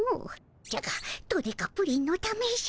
じゃがドデカプリンのためじゃ。